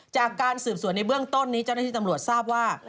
จากการสืบสวนในเบื้องต้นนี้เจ้าหน้าที่ตำรวจทราบว่า